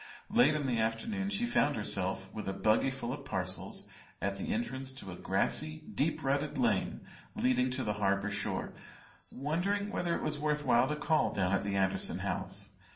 Late in the afternoon she found herself, with a buggy full of parcels, at the entrance to a grassy, deep rutted lane leading to the harbour shore, wondering whether it was worth while to call down at the Anderson house.